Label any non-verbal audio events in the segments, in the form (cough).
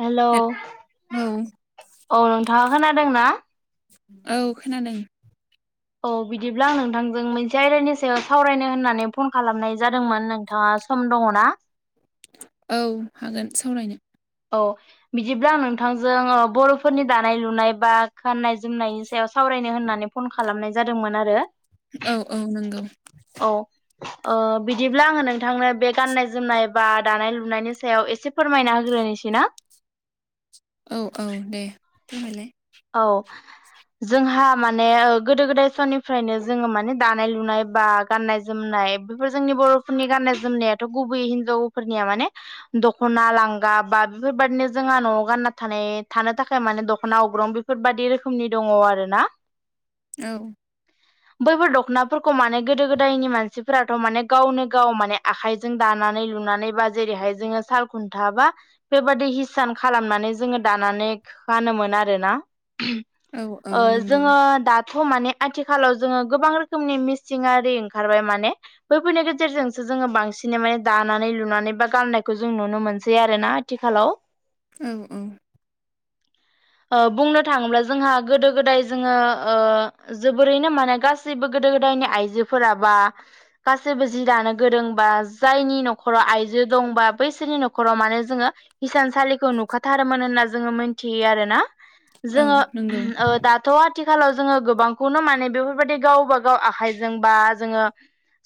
हेल'। औ। औ नोंथाङा खोनादों ना? औ खोनादों। औ बिदिब्ला आं नोंथांजों मोनसे आयदानि सायाव सावरायनो होननानै फन खालामनाय जादोंमोन नोंथाङा खम दङ ना? औ हागोन सावरायनो। औ बिदिब्ला आं नोंथांजों बर'फोरनि दानाय -लुनाय बा गाननाय -जोमनायनि सायाव सावरायनो होननानै फन खालामनाय जादोंमोन आरो। औ औ नंगौ। औ। ओ बिदिब्ला आङो नोंथांनो बे गाननाय -जोमनाय बा दानाय -लुनायनि सायाव एसे फोरमायना होग्रोनोसै। (unintelligible) औ औ दे फोरमायलाय औ। जोंहा माने गोदो- गोदाय समनिफ्रायनो जोङो माने दानाय लुनाय बा गाननाय -जोमनाय बेफोर जोंनि बर'फोरनि गाननाय- जोमनायाथ' गुबैयै हिनजावफोरनिया माने दख'ना लांगा बा बेफोरबायदिनो जोंहा न'आव गानना थानाय थानो थाखाय माने दख'ना अग्रं बेफोरबायदि रोखोमनि दङ आरो ना। औ। (unintelligible) बैफोर दख'नाफोरखौ माने गोदो -गोदायनि मानसिफोराथ' माने गावनो -गाव माने आखाइजों जों दानानै लुनानै बा जेरैहाय जोङो साल खुन्था बा बेबादि हिसान खालामनानै जोङो दानानै गानोमोन आरोना। औ औ नंगौ जोङो दा थ' माने आथिखालाव जोङो गोबां रोखोमनि मिसिंआरि ओंखारबाय माने बैफोरनि गेजेरजोंसो जोङो बांसिनै माने दानानै लुनानै बा गाननायखौ जों नुनो मोनसै आरो ना। आथिखालाव औ औ। ओ बुंनो थाङोब्ला जोंहा गोदो- गोदाय जोङो जोबोरैनो माने गासै गासैबो गोदो -गोदायनि आइजोफोरा बा गासैबो जि दानो गोरोंबा जायनि न'खराव आइजो दंबा बैसोरनि न'खराव माने जोङो हिसानसालिखौ नुखाथारोमोन होनना जोङो मोनथियो आरो ना। औ जोङो नंगौ ओ दा (unintelligible) आथिखालाव जोङो गोबांखौनो माने बेफोरबायदि गावबा- गाव आखाइजों बा जोङो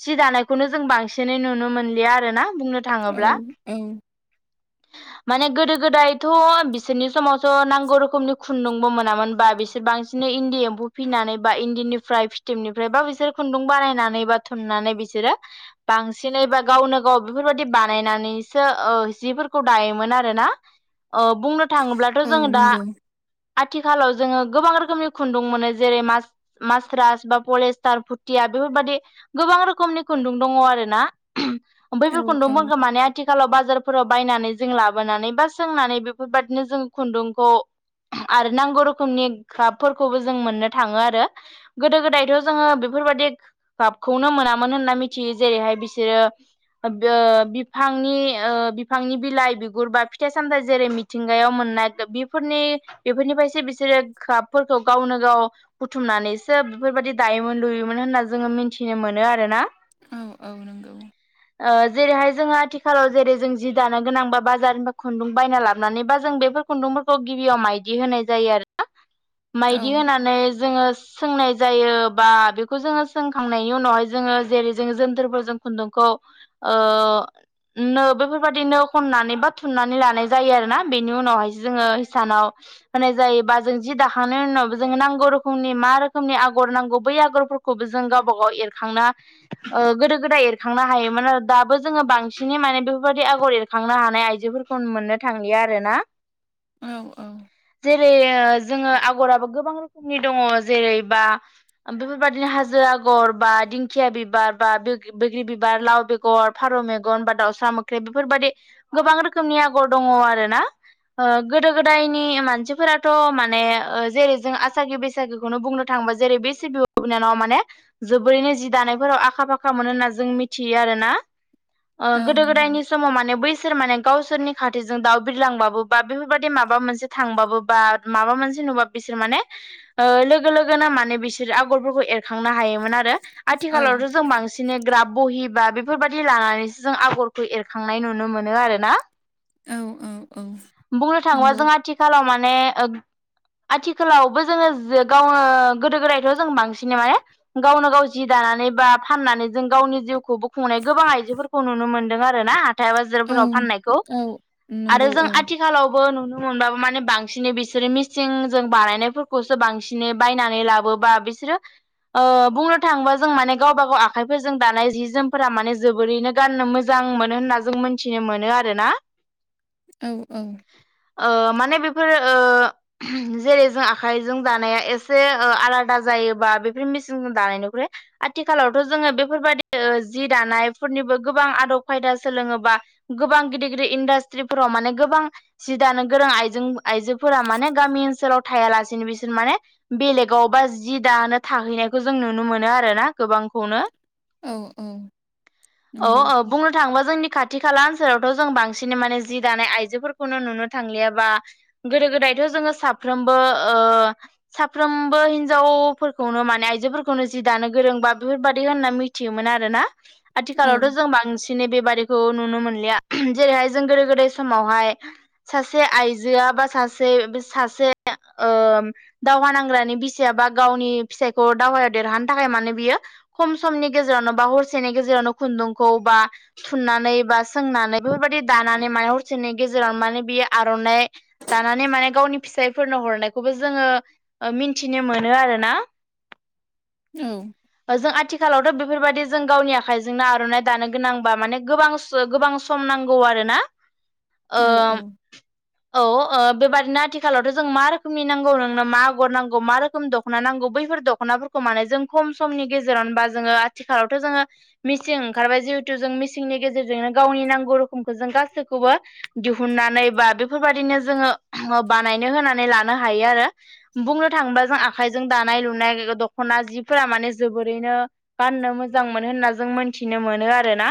सि दानायखौनो जों बांसिनै नुनो मोनलिया आरो ना बुंनो औ थाङोब्ला। औ माने गोदो- गोदायथ' बिसोरनि समावस' नांगौ नांगौ रोखोमनि खुन्दुंबो मोनामोन बा बिसोर बांसिनै इन्दि एम्फौ फिनानै बा इन्दिनिफ्राय (unintelligible) निफ्राय बा बिसोर खुन्दुं बानायनानै बा थुननानै बिसोरो बांसिनै बा गावनो- गाव बेफोरबायदि बानायनानैसो जिफोरखौ दायोमोन आरोना। बुंनो थाङोब्लाथ' औ जोङो दा नंगौ आथिखालाव जोङो गोबां रोखोमनि खुन्दुं मोनो जेरै (unintelligible) मासरास बा पलेेजटार भुथिया बेफोरबायदि गोबां रोखोमनि खुन्दुं दङ आरो ना औ बैफोर औ खुन्दुंफोरखौ माने आथिखालाव बाजारफोराव बायनानै जों लाबोनानै बा सोंनानै बेफोरबादिनो जों खुन्दुंखौ आरो नांगौ रोखोमनि क्लाबफोरखौबो जों मोननो थाङो आरो। गोदो गोदायथ' जोङो बेफोरबायादि गाबखौनो मोनामोन होनना मिथियो जेरैहाय बिसोरो ओ बिफांनि ओ बिफांनि बिलाइ बिगुर बा फिथाइ सामथायाइ जेरै मिथिंगायाव मोननाय बेफोरनि बेफोरनिफ्रायसो बिसोरो काबफोरखौ गावनो गाव बुथुमनानैसो बेफोरबायदि दायोमोन लुयोमोन होनना जोङो मिथिनो मोनो आरोना। औ औ नंगौ। ओ जेरैहाय जोङो आथिखालाव जेरै जों जि दानो गोनां बा बाजारनिफ्राय खुन्दुं बायना लाबोनानै बा जों बेफोर खुन्दुंफोरखौ गिबियाव मायदि होनाय जायो आरोना औ माइदि होनानै जोङो सोंनाय जायो बा बेखौ जोङो सोंखांनायनि उनावहाय जोङो जेरै जोङो जोनथोरफोरजों खुन्दुंखौ ओ नो बेफोरबाददि नो खननानै बा थुननानै लानाय जायो आरो ना बेनि उनावहायसो जोङो इसानाव होनाय जायोबा जों जि दाखानाय उनाव जों नांगौ रोखोमनि मा रोखोमनि आगर नांगौ बै आगरफोरखौ खौबो जों गावबा गाव एरखांना ओ गोदो गोदाय एरखांनो हायोमोन आरो दाबो जोङो बांसिनै माने बेफोरबायदि आगर एर खांनो हानाय आइजोफोरखौ मोननो थांलिया आरोना। औ औ। जेरै जोङो आगराबो गोबां रोखोमनि दङ जेरैबा बेफोरबाददिनो हाजो आगर बा दिंखिया बिबार बा बैग्रि बिबार लाव बे गर फारौ मेगन बा दाउसा्रा मोख्रे बेफोरबायदि गोबां रोखोमनि आगर दङ आरोना। ओ गोदो गोदायनि मानसिफोराथ' माने ओ जेरै जों आसागि बैसागिखौनो बुंनो थाङोबा जेरै बे सिदु बिनानाव माने जोबोरैनो जि दानायफोराव आखा फाखा मोन होनना जों मिथियो आरोना। ओ औ गोदो नंगौ गोदायनि समाव माने बैसोर माने गावसोरनि खाथिजों दावउ बिरलांबाबो बा बेफोरबायदि मा माबा मोनसे थांबाबो बा माबा मोनसे नुबा बिसोर माने ओ लोगो लोगोनो माने बिसोर आगरफोरखौ एरखांनो हायोमोन आरो औ आथिखालावथ' जों बां दिनो ग्राब बहिबा बेफोरबायदि लानानैसो जों आगरखौ एरखांनाय नुनो मोनो आरो ना। औ औ औ। थाङोबा नंगौ जों आथिखालाव माने ओ आथिखालावबो जोङो गावनो गोदो गोदाय थ'जों बांसिनै माने गावनो गाव जि दानानै बा फाननानै जों गावनि जिउ खौबो खुंनाय गोबां आइजोफोरखौ नुनो मोन्दों आरो ना। हाथाइ औ बाजारफोराव फाननायखौ औ आरो नंगौ जों औ आथिखालाव बो नुनो मोनबाबो माने बांसिनै बिसोरो मिसिं जों बानायनायफोरखौसो बांसिनै बायनानै लाबोबा बिसोरो ओ बुंनो थाङोबा जों माने गावबा गाव आखाइफोरजों दानाय जि जोमफोरा माने जोबोरैनो गाननो मोजां मोनो होनना जों मिथिनो मोनो आरोना। औ औ। ओ माने बेफोरो ओ जेरै जों आखाइजों दानाया एसे ओ आलादा जायोबा बेफोर मेचिनजों दानायनिख्रै आथिखालावथ' जोङो बेफोरबायदि जि दानायफोरनिबो गोबां आदब खायदा सोलोङोबा गोबां गिदिर गिदिर इन्डास्ट्रिफोराव माने गोबां सिदानो गोरों आइजों आइजोफोरा माने गामि ओनसोलाव थायालासेनो बिसोर माने बेलेगाव बा जि दानो थाहैनायखौ जों नुनो मोनो आरो ना गोबांखौनो। औ औ औ नंगौ। औ बुंनो थाङोबा जोंनि खाथि खाला ओनसोलावथ' जों बांसिनै माने जि दानाय आइजोफोर खौनो नुनो थांलियाबा गोदो गोदायथ' जोङो साफ्रोमबो ओ साफ्रोमबो हिनजावफोरखौनो माने आइजोफोरखौनो जि दानो गोरोंबा बेफोरबायदि होनना मि मिथियोमोन आरो ना। औ आथिखालावथ' जों बांसिनै बेबादिखौ नुनो मोनलिया जेरैहाय जों गोदो गोदाय समावहाय सासे आइजोआ बा सासे सासे ओ दावहा नांग्रानि बिसिया बा गावनि फिसायखौ दावहायाव देरहानो थाखाय माने बियो खम समनि गेजेरावनो बा हरसेनि गेजेरावनो खुन्दुंखौ बा थुननानै बा सोंनानै बेफोरबायदि दानानै माने हरसेनि गेजेराव माने बियो आर'नाइ दानानै माने गावनि फिसायफोरनो हरनायखौबो जोङो मिन्थिनो मोनो आरो ना। (inaudible) औ। जों आथिखालावथ' बेफोरबायदि जों गावनि आखाइजोंनो आर'नाइ दानो गोनांबा माने गोबां गोबां सम नांगौ आरोना। औ ओ औ। ओ बेबादिनो आथिखालावथ' जों मा रोखोमनि नांगौ नोंनो मा आगर नांगौ मा रोखोम दख'ना नांगौ, बैफोर दख' दख'नाफोरखौ माने जों खम समनि गेजेराव बा जोङो आथिखालावथ' जोङो मिसिं ओंखारबाय जिहेतु जों मिसिंनि गेजेरजोंनो गावनि नांगौ रोखोमखौ जों गासैखौबो। दिहुननानै बा बेफोरबायदिनो जोङो बानायनो होनानै लानो हायो आरो। बुंनो थाङोबा जों आखाइजों दानाय लुनाय दखना जिफोरा माने जोबोरैनो गाननो मोजां मोनो होनना जों मोनथिनो मोनो आरो ना।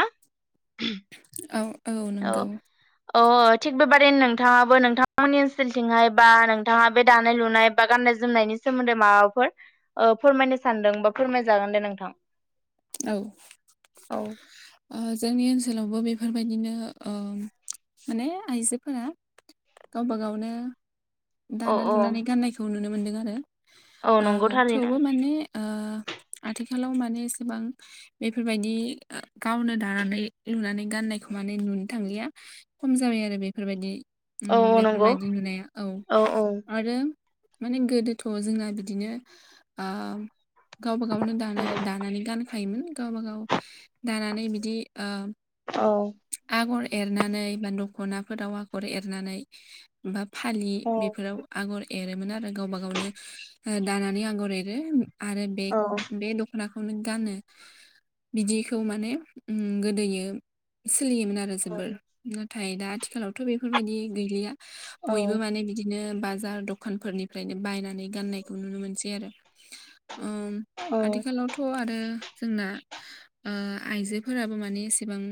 औ औ नंगौ। ओ थिग बेबादिनो नोंथाङाबो नोंथांनि ओनसोलथिंहाय बा नोंथाङा बे दानाय लुनाय बा गाननाय जोमनायनि सोमोन्दै माबाफोर ओ फोरमायनो सानदों बा फोरमायजागोन दे नोंथां। औ‌। औ जोंनि ओनसोलावबो बेफोरबायदिनो ओ, माने आइजोफोरा गावबा गावनो औ दाना औ लुनानै गाननायखौ नुनो मोनदों आरो। औ ओ नंगौ थारैनो थेवबो माने ओ आथिखालाव माने एसेबां बेफोरबायदि गावनो दानानै लुनानै गाननायखौ माने नुनो थांलिया‌। खम जाबाय आरो बेफोरबायदि उम औ औ नंगौ बेफोरबायदि नुनाया औ। आरो माने गोदोथ' जोंना बिदिनो आ गावबा गावनो दानाय दानानै गान थायोमोन गावबा गाव दानानै बिदि ओ औ। आगर एरनानै बा दख'नाफोराव आगर एरनानै बा फालि। औ बेफोराव आगर एरोमोन आरो गावबा गावनो दानानै आगर एरो। आरो बे औ बे द खनाखौनो गानो। बिदिखौ माने ओम गोदोयो सोलियोमोन आरो जोबोर। नाथाय दा आथिखालावथ' बेफोरबायदि गैलिया। बयबो औ माने बिदिनो बाजार द दखानफोरनिफ्रायनो बायनानै गाननायखौ नुनो मोनसै आरो। ओम आथिखालावथ' आरो जोंना ओ आइजोफोराबो माने एसेबां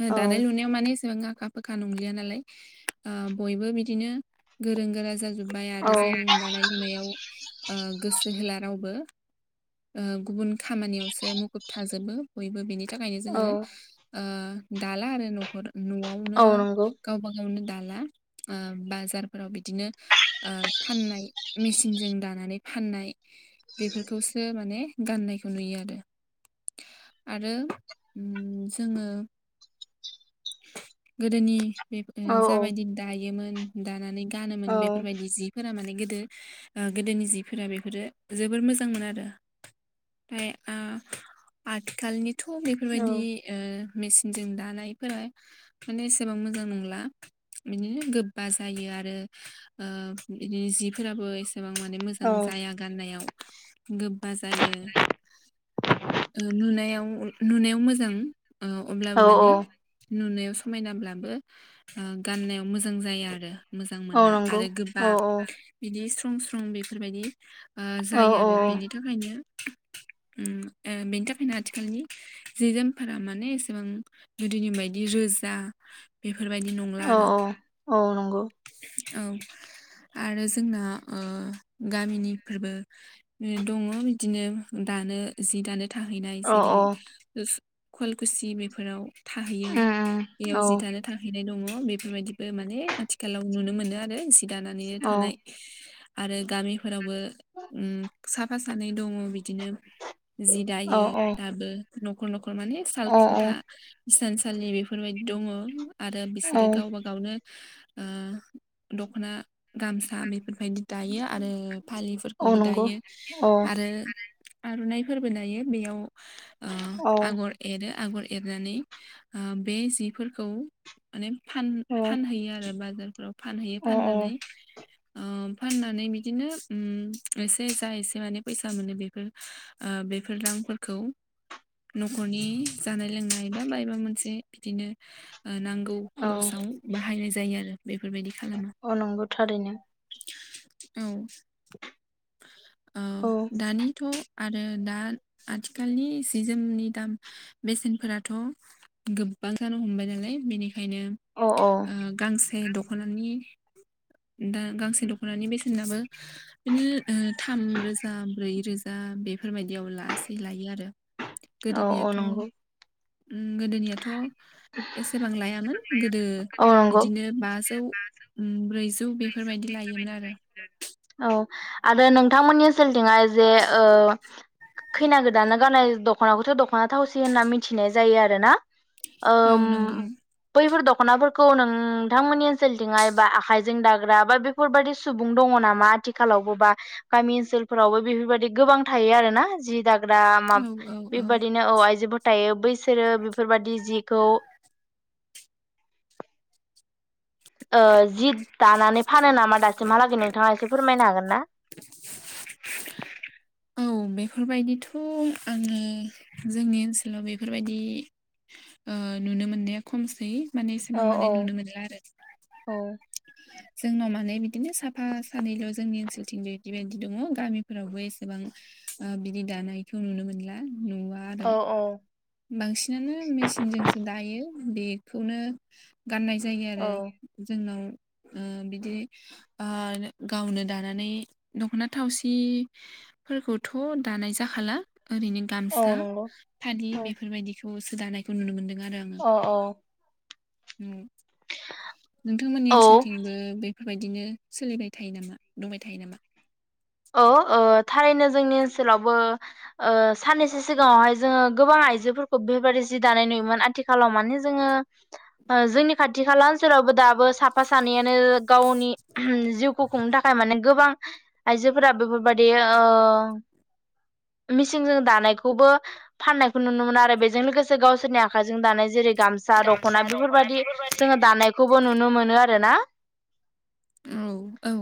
हो औ दानाय लुनायाव माने एसेबां आखा फाखा नंलिया नालाय। बयबो बिदिनो गोरों गोरा जाजोब बाय आरो जों दानाय लुनायाव गोसो होला रावबो। गुबुन खामानियावसो मुखुब थाजोबो। बयबो बेनि थाखायनो जोङो ओ दाला आरो न'खर न'आवनो औ नंगौ औ नंगौ गावबा गावनो दाला। बाजारफोराव बिदिनो फाननाय, मेचिनजों दानानै फाननाय बेफोरखौसो माने गाननायखौ नुयो आरो। आरो उम जोङो, गोदोनि बे औ औ जाबायदि दायोमोन दानानै गानोमोन औ बेफोरबायदि जि फोरा माने गोदो-गोदोनि जिफोरा बेफोरो जोबोर मोजां मोन आरो। ओमफ्राय आथिखालनिथ' बेफोरबायदि मेचिनजों दानायफोरा माने एसेबां मोजां नंला बिदिनो गोबा जायो आरो बिदिनो जिफोराबो गोसेबां माने मोजां औ जाया गाननायाव गोबा जायो नुनायाव नुनायाव मोजां अब्लाबो औ माने नुनायाव समायनाब्लाबो गाननायाव मोजां जायो मोजां औ मोना नंगौ आरो औ गोबां बिदि स्रं स्रं बेफोरबायदि जायो औ आरो बेनि थाखाय बि थाखायनो बेनि थाखायनो आथिखालनि जि जोम फोर माने एसेबां गोदोनि बायदि रोजा बेफोरबायदि नंला आरो आ नंगौ औ आरो जोंना गामिनिफोरबो दङ बिदिनो दानो जि दानो थाहैनाय औ जेरै औ खवालकुसि बेफोराव थाहैयो उम बेयाव औ जि थानो थाहैनाय दङ बेफोरबायदिबो माने आथिखाल खेलाव नुनो मोनो आरो जि दानानैनो औ थानाय आरो गामिफोरावबो साफा सानै दङ बिदिनो जि औ दायो दाबो न'खर न'खर माने साल औ खुन्था औ इसानसालिनि बेफोरबायदि दङ आरो औ बिसोरो गावबा गाव गावनो दख'ना गामसा बेफोरबायदि दायो आरो औ फालिफोरखौबो नंगौ दायो औ आरो आर'नाइफोरबो दायो बेयाव औ आगर एरो आगर एरनानै बे जिफोरखौ माने फान फानहैयो आरो बाजारफोराव फानहैयो औ फाननानै फाननानै बिदिनो एसे जा एसे माने फैसा मोनो बेफोर बेफोर रांफोरखौ न'खरनि जानाय लोंनाय बा बायबा मोनसे बिदिनो नांगौ औ खरसाव बाहायनाय जायो आरो बेफोरबायदि खालामा अ नंगौ थारैनो औ औ दानिथ' आरो दा आथिखालनि सि जोमनि दाम बेसेनफोराथ' गोबां जानो हमबाय नालाय बेनिखायनो औ औ गांसे दख'नानि दा गांसे दख'नानि बेसेनाबो बिनो थाम रोजा ब्रै रोजा दा बेफोरबायदियाव लासै लायो आरो औ औ गोदोनियाथ' नंगौ गोदोनियाथ' एसेबां लायामोन गोदो औ नंगौ बिदिनो बाजौ उ ब्रैज नो औ आरो नोंथांमोननि सेलथिंआ जे खैना गोदानानो गाननाय दख'नाखौथ' दख'ना थावसि होनना मिथिनाय जायो आरो ना औ नंगौ बैफोर दख'नाफोरखौ नोंथांमोननि ओनसोलथिंहाय बा आखाइ जिं दाग्रा बा बेफोरबायाददि सुबुं दङ नामा आथिखालावबो बा गामि ओनसोलफोरावबो बेफोरबायाददि गोबां थायो आरोना जि दाग हाग्रा औ माब औ बेबायाददिनो औ आयजोफोर थायो बैसोरो बेफोरबायाददि जिखौ जि दानानै फानो नामा दासम हालागै नोंथाङा एसे फोरमायनो हागोन ना औ बेफोरबायदिथ' आङो जोंनि ओनसोलाव बेफोरबायदि नुनो मोननाया खमसै माने औ एसेबां माने औ नुनो मोनला आरो औ जोंनाव माने बिदिनो साफा सानैल' जोंनि ओनसोलथिंबो बिदिबायायदि दङ गामिफोरावबो गोबां बिदि दानायखौ नुनो मोनला नुवा औ आरो बांसिनानो मेसिनजोंसो दायो बेखौनो गाननाय जायो औ आरो जोंनाव बिदि गावनो दानानै दख'ना थावसि फोरखौथ' दानाय जाखाला ओरैनो गामसा औ नंगौ फलि बे बेफोरबायदिखौ सोदानायखौ नुनो मोन्दों आरो अ अ नोंथांमोननि औ ओनसोलथिंबो बे बेफोरबायदिनो सोलिबाय थायो नामा दंबाय थायो नामा औ थारैनो जोंनि ओनसोलावबो साननैसो सिगाङावहाय जोङो गोबां आइजोफोरखौ बेबारि जि दानाय नुयोमोन आथिखाल थि खाालाव मान जोङो जोंनि खाथि खाला ओनसोलावबो दाबो साफा सानैयानो गावनि जिउखौ खुंनो थाखाय माने गोबां आइजोफोरा बेफोरबदि मिसिंजों द बो फाननायखौ नुनो मोन आरो बेजों लोगोसे गावसोरनि आखाइजों दानाय जेरै ग फिसा गामसा दख'ना बेफोरबायाददि बेफोरबायदि जोङो दानायखौबो नुनो मोनो आरो ना औ औ